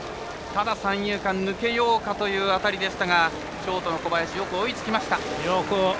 ただ三遊間、抜けようかという当たりでしたがショートの小林よく追いつきました。